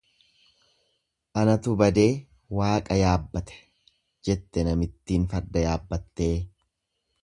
Anatu badee waaqa yaabbate, jette namittiin farda yaabbattee.